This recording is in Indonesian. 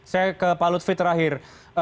saya ke pak lutfi terakhir